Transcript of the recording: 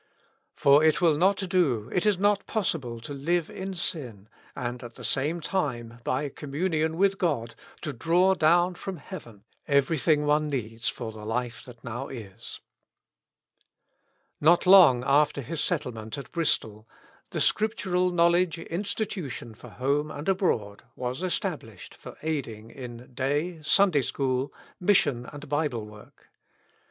" For it will not do, it is not possible , to live in sin, and at the same time, by co7nmu7iion with God, to draw dow,i frotn heaven everything one needs for the life that 7iow is." Not long after his settlement at Bristol, " The Scriptural Knowledgk Institution for Home and Abroad" was estab lished for aiding in Day, Sunday School, INIission and Bible work.